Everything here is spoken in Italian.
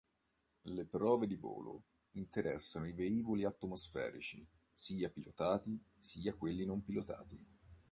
Le Prove di volo, interessano i "velivoli atmosferici" sia pilotati sia quelli non pilotati.